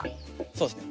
そうですね。